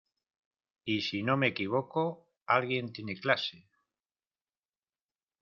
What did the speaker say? y si no me equivoco, alguien tiene clase